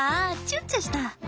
チュッチュした。